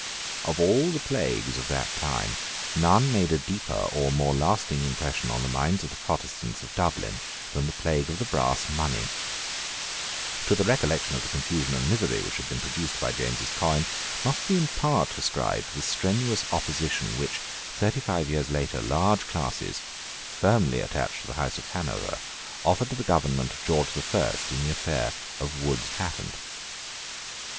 Of all the plagues of that time none made a deeper or a more lasting impression on the minds of the Protestants of Dublin than the plague of the brass money, To the recollection of the confusion and misery which had been produced by James's coin must be in part ascribed the strenuous opposition which, thirty five years later, large classes, firmly attached to the House of Hanover, offered to the government of George the First in the affair of Wood's patent.